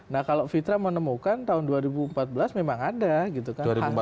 nah kalau fitra menemukan tahun dua ribu empat belas memang ada gitu kan